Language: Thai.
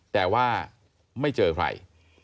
แต่ว่าไม่เจอใคร